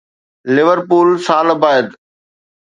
Liverpool سال بعد